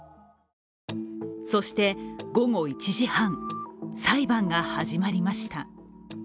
そして午後１時半、裁判が始まりました。